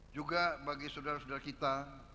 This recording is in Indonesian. juga bagi saudara saudara kita